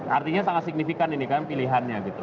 artinya sangat signifikan ini kan pilihannya gitu